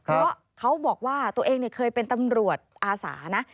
เพราะเขาบอกว่าตัวเองเคยเป็นตำรวจอาสานะ